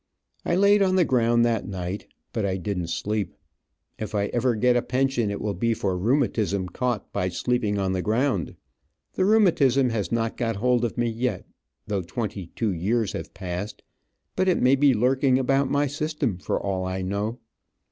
I laid on the ground that night, but I didn't sleep. If I ever get a pension it will be for rheumatism caught by sleeping on the ground. The rheumatism has not got hold of me yet, though twenty two years have passed, but it may be lurking about my system, for all I know.